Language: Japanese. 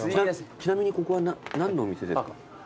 ちなみにここは何のお店ですか？